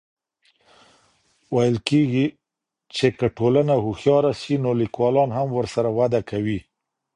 ويل کېږي چي که ټولنه هوښياره سي نو ليکوالان هم ورسره وده کوي.